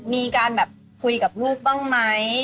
มีการแบบคุยกับลูกบ้างไหม